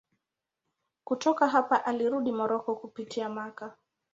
Kutoka hapa alirudi Moroko kupitia Makka.